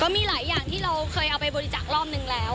มีหลายอย่างที่เราเคยเอาไปบริจาครอบนึงแล้ว